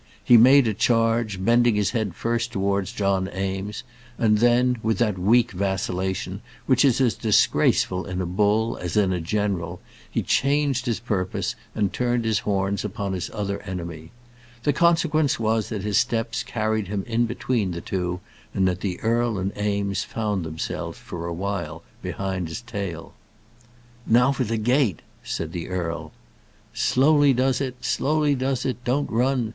He made a charge, bending his head first towards John Eames, and then, with that weak vacillation which is as disgraceful in a bull as in a general, he changed his purpose, and turned his horns upon his other enemy. The consequence was that his steps carried him in between the two, and that the earl and Eames found themselves for a while behind his tail. "Now for the gate," said the earl. "Slowly does it; slowly does it; don't run!"